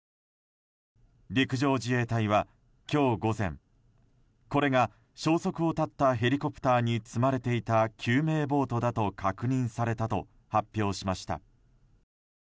陸上自衛隊は、今日午前これが消息を絶ったヘリコプターに積まれていた救命ボートだと確認されたと発表しました。